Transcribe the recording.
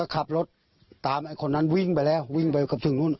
คนนั้นวิ่งไปแล้ววิ่งไปกลับถึงนู้น